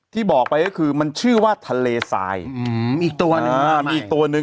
ที่บอกไปก็คือมันชื่อว่าทะเลทรายอืมอีกตัวหนึ่งอ่ามีอีกตัวหนึ่ง